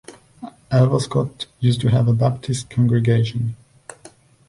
Alvescot used to have a Baptist congregation.